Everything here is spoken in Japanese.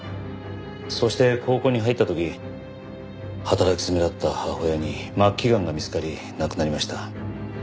そして高校に入った時働き詰めだった母親に末期がんが見つかり亡くなりました。